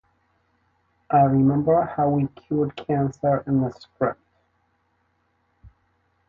I remember how we cured cancer in that script.